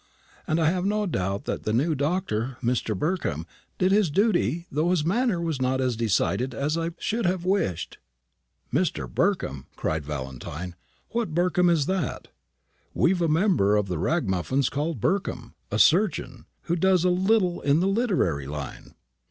And I have no doubt that the new doctor, Mr. Burkham, did his duty, though his manner was not as decided as I should have wished." "Mr. Burkham!" cried Valentine. "What Burkham is that? We've a member of the Ragamuffins called Burkham, a surgeon, who does a little in the literary line."